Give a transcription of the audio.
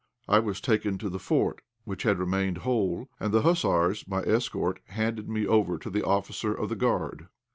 I was taken to the fort, which had remained whole, and the hussars, my escort, handed me over to the officer of the guard.